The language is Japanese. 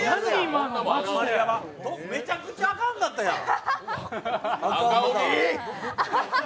めちゃくちゃあかんかったやん！